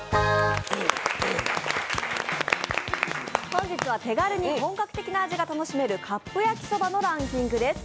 本日は手軽で本格的に楽しめるカップ焼きそばのランキングです。